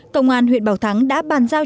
công an huyện bảo thắng đã bàn giao